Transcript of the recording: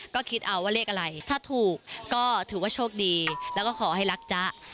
ก็คิดเอาว่าเลขอะไรถ้าถูกก็ถือว่าโชคดีแล้วก็ขอให้รักจ๊ะ